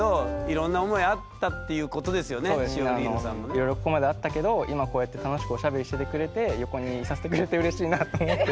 いろいろここまであったけど今こうやって楽しくおしゃべりしててくれて横にいさせてくれてうれしいなと思って。